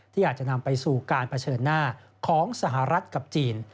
ที่อาจจะนำไปสู่การเผชิญหน้าของสหรัฐกับจีน